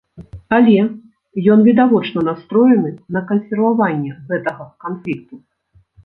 Але, ён відавочна настроены на кансерваванне гэтага канфлікту.